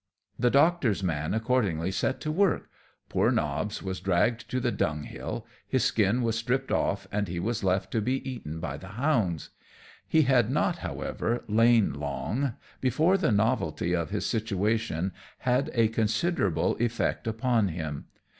The Doctor's man accordingly set to work: poor Nobbs was dragged to the dunghill, his skin was stripped off, and he was left to be eaten by the hounds. He had not, however, lain long before the novelty of his situation had a considerable effect upon him.